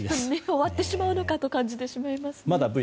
終わってしまうのかと感じてしまいます。